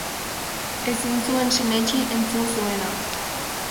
Ezin zuen sinetsi entzun zuena.